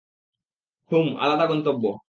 হুম, আলাদা গন্তব্য!